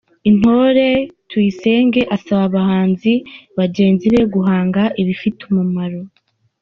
Intore tuyisenge asaba abahanzi bagenzi be guhanga ibifite umumaro.